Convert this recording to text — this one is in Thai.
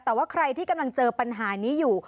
แต่ว่าใครที่กำลังเจอปัญหานี้อยู่